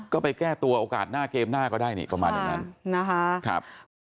ก็ไปแก้ตัวโอกาสหน้าเกมหน้าก็ได้นี่ประมาณอย่างนั้นนะคะ